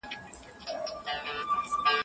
ډېر اسټروېډونه بې زیانه تېریږي.